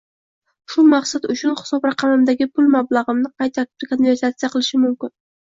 Shu maqsad uchun hisobraqamimdagi pul mablag‘imni qay tartibda konvertatsiya qilishim mumkin?